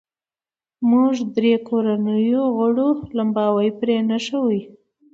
موږ درې کورنیو غړو لمباوې پرې نښوې.